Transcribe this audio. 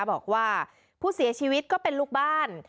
บอกว่าผู้เสียชีวิตก็เป็นลูกบ้าน